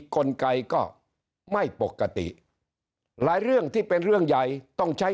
กลไกก็ไม่ปกติหลายเรื่องที่เป็นเรื่องใหญ่ต้องใช้